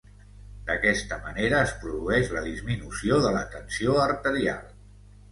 D'aquesta manera es produeix la disminució de la tensió arterial.